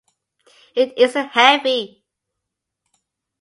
It isn’t heavy.